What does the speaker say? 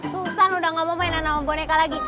susan udah gak mau mainan sama boneka lagi